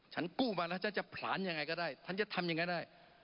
ฉันกู้มาแล้วฉันจะผลาญยังไงก็ได้ฉันจะทำยังไงได้